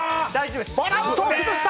バランスを崩した！